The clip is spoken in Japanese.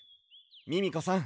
ミミコさん